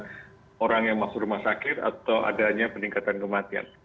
apakah berdampak pada ledakan orang yang masuk rumah sakit atau adanya peningkatan kematian